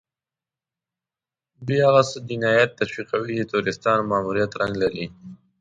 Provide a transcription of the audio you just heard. دوی هغه جنايات تشويقوي چې د تروريستانو ماموريت رنګ لري.